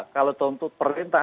kalau tuntut perintah